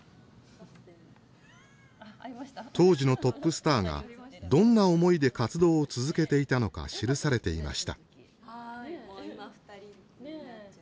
当時のトップスターがどんな思いで活動を続けていたのか記されていました。